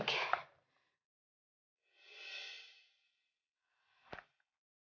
keadaannya makin baik